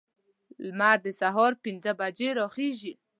لمر د سهار پنځه بجې راخیزي.